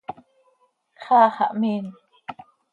¡Xaa xah mhiin!